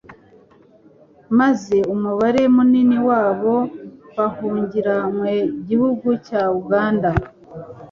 maze umubare munini wabo bahungira mu gihugu cya Uganda